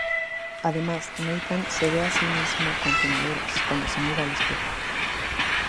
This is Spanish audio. Además, Nathan se ve a sí mismo con quemaduras cuando se mira al espejo.